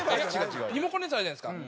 リモコンのやつあるじゃないですか。